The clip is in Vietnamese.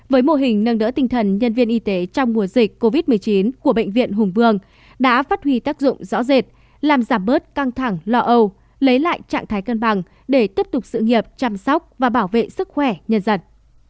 với mô hình nâng đỡ tinh thần nhân viên y tế trong mùa dịch covid một mươi chín của bệnh viện hùng vương đã phát huy tác dụng rõ rệt làm giảm bớt căng thẳng lỡ âu lấy lại trạng thái cân bằng để tiếp tục sự nghiệp chăm sóc và bảo vệ sức khỏe nhân dân